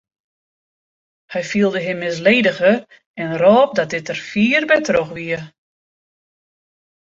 Hy fielde him misledige en rôp dat dit der fier by troch wie.